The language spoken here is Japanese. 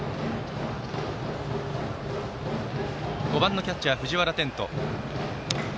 打席は５番のキャッチャー藤原天斗。